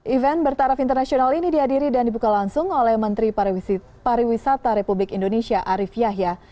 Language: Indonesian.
event bertaraf internasional ini dihadiri dan dibuka langsung oleh menteri pariwisata republik indonesia arief yahya